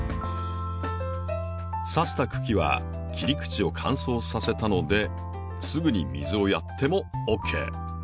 さした茎は切り口を乾燥させたのですぐに水をやってもＯＫ。